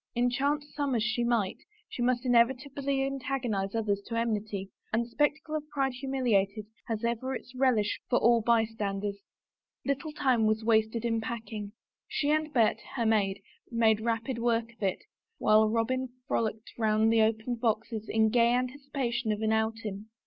Enchant some as she might, she must inevitably antagonize others to enmity, and the spectacle of pride humiliated has ever its relish for all bystanders. 26 A ROSE AND SOME WORDS Little time was wasted in packing. She and Bet, her maid, made rapid work of it, while Robin frolicked round the opened boxes in gay anticipation of an outing.